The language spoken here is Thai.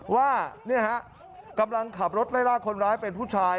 ว่ากำลังขับรถไล่ล่าคนร้ายเป็นผู้ชาย